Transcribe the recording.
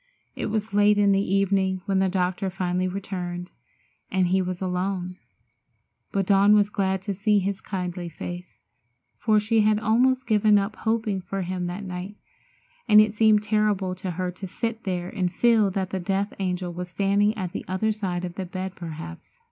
It was late in the evening when the doctor finally returned, and he was alone. But Dawn was glad to see his kindly face, for she had almost given up hoping for him that night, and it seemed terrible to her to sit there and feel that the death angel was standing at the other side of the bed, perhaps.